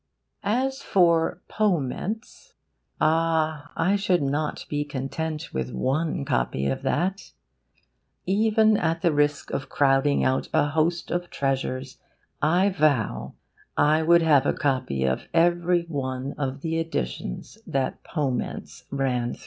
As for POMENTS ah, I should not be content with one copy of that. Even at the risk of crowding out a host of treasures, I vow I would have a copy of every one of the editions that POMENTS ran through.